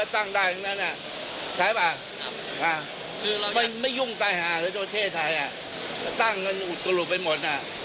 ตั้งกันอุตลุกไปหมด